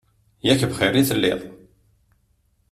Yak bxir i telliḍ!